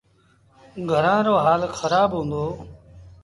گھرآݩ رو هآل کرآب هُݩدو۔